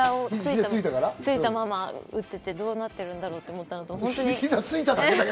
膝ついたまま打てて、どうなってるんだろうと思ったのと。